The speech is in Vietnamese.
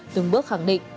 từng bước khẳng định